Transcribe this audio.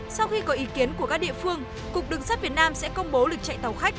sau khi có ý kiến của các địa phương cục đường sắt việt nam sẽ công bố lịch chạy tàu khách